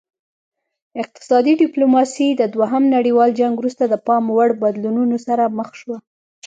اقتصادي ډیپلوماسي د دوهم نړیوال جنګ وروسته د پام وړ بدلونونو سره مخ شوه